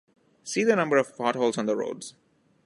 See the number of potholes on the roads.